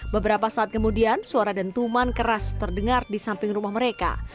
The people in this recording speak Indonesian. beberapa saat kemudian suara dentuman keras terdengar di samping rumah mereka